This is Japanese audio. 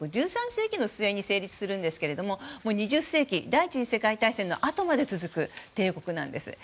１３世紀の末に成立するんですけれども２０世紀第１次世界大戦のあとまで続く帝国なんです。